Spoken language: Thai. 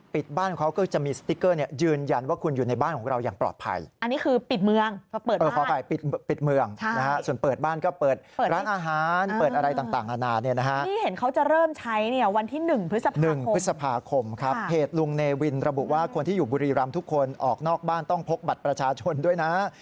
ปิดบ้านเขาก็จะมีสติกเกอร์ยืนยันว่าคุณอยู่ในบ้านของเราปลอดภัย